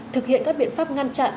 thực hiện các biện pháp ngăn chặn